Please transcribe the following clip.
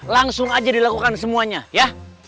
langsung aja dilakukan semuanya ya